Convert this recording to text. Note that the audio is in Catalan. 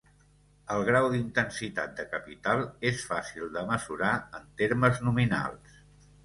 El grau d'intensitat de capital és fàcil de mesurar en termes nominals.